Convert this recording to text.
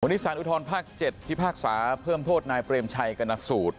วันนี้สารอุทธรภาค๗พิพากษาเพิ่มโทษนายเปรมชัยกรณสูตร